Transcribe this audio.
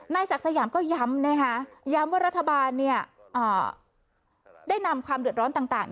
ศักดิ์สยามก็ย้ำนะคะย้ำว่ารัฐบาลได้นำความเดือดร้อนต่าง